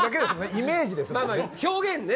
イメージですもんね